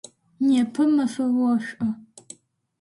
Непэ мэфэ ошӏу.